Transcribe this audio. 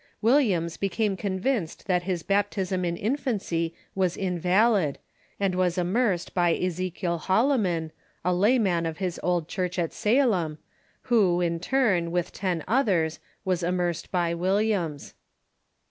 Williams became convinced that his baptism in infancy was invalid, and was immersed by Eze kiel Holliman, a layman of his old church at Salem, who in turn, with ten others, was immersed by Williams.